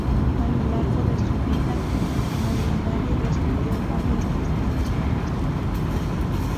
A lo largo de su vida Molinari recibió varias distinciones.